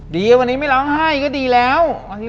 ดีวันนี้ไม่ร้องไห้ก็ดีแล้ว